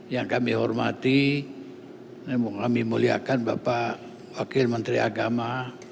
yang kami hormati kami muliakan bapak wakil menteri agama